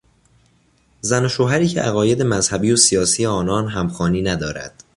زن و شوهری که عقاید مذهبی و سیاسی آنان همخوانی ندارد